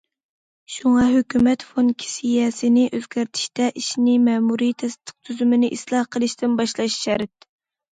شۇڭا، ھۆكۈمەت فۇنكسىيەسىنى ئۆزگەرتىشتە ئىشنى مەمۇرىي تەستىق تۈزۈمىنى ئىسلاھ قىلىشتىن باشلاش شەرت.